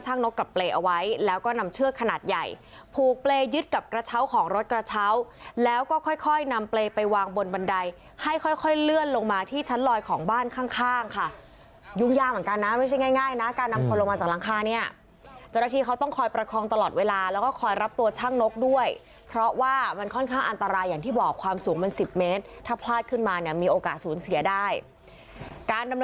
ให้นำเปรย์ไปวางบนบันไดให้ค่อยค่อยเลื่อนลงมาที่ชั้นลอยของบ้านข้างค่ะยุ่งยากเหมือนกันน่ะไม่ใช่ง่ายง่ายน่ะการนำคนลงมาจากหลังคานี้จนทีเขาต้องคอยประคองตลอดเวลาแล้วก็คอยรับตัวช่างนกด้วยเพราะว่ามันค่อนข้างอันตรายอย่างที่บอกความสูงมันสิบเมตรถ้าพลาดขึ้นมาเนี่ยมีโอกาสสูญเสียได้การดํ